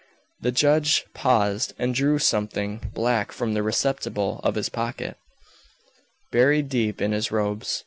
The judge paused, and drew something black from the receptacle of his pocket, buried deep in his robes.